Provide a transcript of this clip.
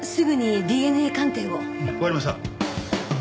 わかりました。